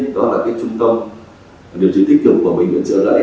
đó là trung tâm điều trị tích cực của bệnh viện trở lại